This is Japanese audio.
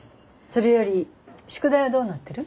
それより宿題はどうなってる？